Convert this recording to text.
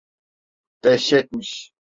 Dehşetmiş!